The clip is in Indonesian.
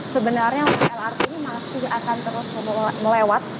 sebenarnya lrt ini masih akan terus melewat